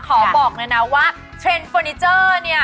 บอกเลยนะว่าเทรนด์เฟอร์นิเจอร์เนี่ย